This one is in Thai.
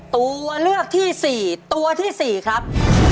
ตัวเลือกที่๔ตัวที่๔ครับ